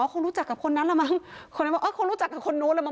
คงรู้จักกับคนนั้นละมั้งคนนั้นบอกเออคงรู้จักกับคนนู้นแล้วมั